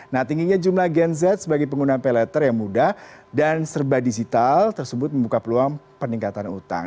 nah tingginya jumlah gen z sebagai pengguna pay later yang mudah dan serba digital tersebut membuka peluang peningkatan utang